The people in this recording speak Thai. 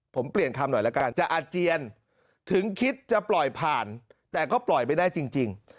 ผมเปลี่ยนคำหน่อยละกันจะอาเจียนถึงคิดจะปล่อยผ่านแต่ก็ปล่อยไม่ได้จริง